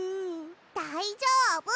だいじょうぶ！